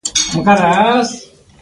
ژوند وکړ.